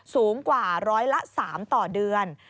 สูงกว่า๑๐๓ต่อเดือน